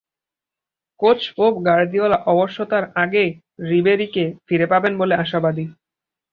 Coach Pep Guardiola অবশ্য তার আগেই রিবেরিকে ফিরে পাবেন বলে আশাবাদী।